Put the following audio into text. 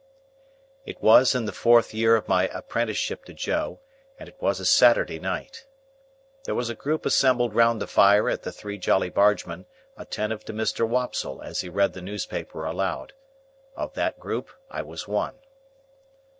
It was in the fourth year of my apprenticeship to Joe, and it was a Saturday night. There was a group assembled round the fire at the Three Jolly Bargemen, attentive to Mr. Wopsle as he read the newspaper aloud. Of that group I was one.